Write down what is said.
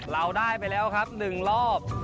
เราได้ไปแล้วครับ๑รอบ